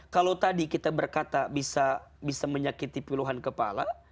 kalau tadi kita berkata bisa menyakiti puluhan kepala